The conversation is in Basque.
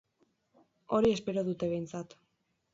Hori espero dute behintzat.